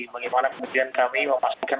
bagaimana kemudian kami memastikan